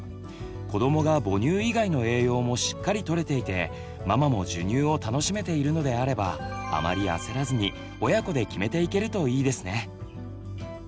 子どもが母乳以外の栄養もしっかりとれていてママも授乳を楽しめているのであればあまり焦らずに親子で決めていけるといいですね。